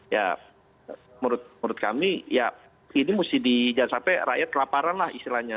ya menurut kami ya ini mesti di jangan sampai rakyat kelaparan lah istilahnya